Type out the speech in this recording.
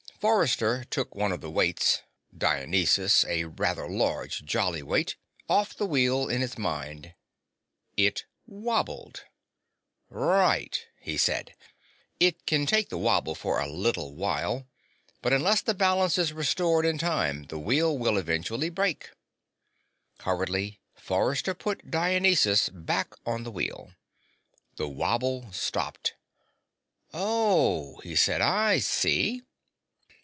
Forrester took one of the weights (Dionysus, a rather large, jolly weight) off the wheel in his mind. It wobbled. "Right," he said. "It can take the wobble for a little while. But unless the balance is restored in time, the wheel will eventually break." Hurriedly, Forrester put Dionysus back on the wheel. The wobble stopped. "Oh," he said. "I see."